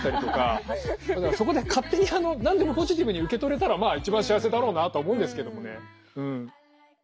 そこで勝手に何でもポジティブに受け取れたらまあ一番幸せだろうなとは思うんですけどもねうん。